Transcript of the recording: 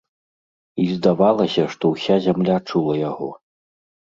І здавалася, што ўся зямля чула яго.